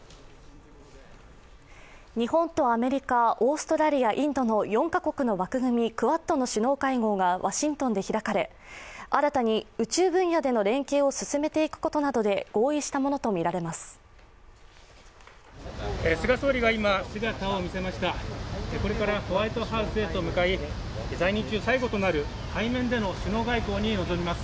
日本とアメリカ、オーストラリア、インドの４カ国の枠組み、クアッドの首脳会合がワシントンで開かれ、新たに宇宙分野での連携を進めていくことなどで合意したものとみられます。